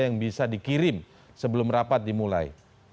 yang bisa dikirim sebelum rapat dimulai